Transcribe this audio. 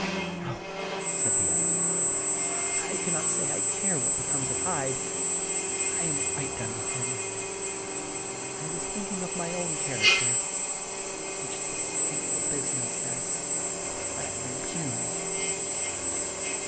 " No," said the other, " I cannot say I care what becomes of Hyde ; I am quite 1 6 The Untold Sequel of done with him. I was thinking of my own character, which this hateful business has rather impugned."